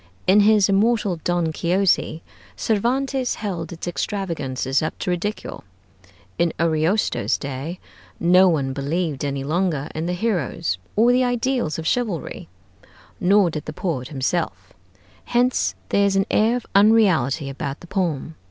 In his immortal 'Don Quixote,' Cervantes held its extravagances up to ridicule. In Ariosto's day no one believed any longer in the heroes or the ideals of chivalry, nor did the poet himself; hence there is an air of unreality about the poem.